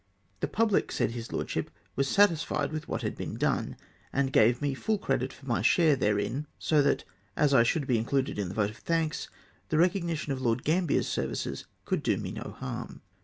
The pubKc, said his lordship, was satisfied with what liad been done, and gave me full credit for my share therein, so that as I should be included in the vote of thanks, the recognition of Lord Gambler's services could do me no harm.